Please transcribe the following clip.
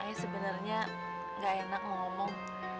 ayah sebenarnya nggak enak ngomong